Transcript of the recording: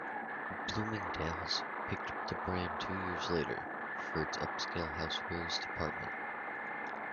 Bloomingdale's picked up the brand two years later, for its upscale housewares department.